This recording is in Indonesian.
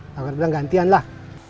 akhirnya bilang gantianlah